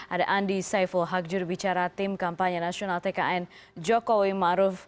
ada andi saiful hakjur bicara tim kampanye nasional tkn jokowi maruf